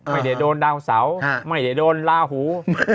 ไม่ได้โดนดาวเสาไม่ได้โดนลาหู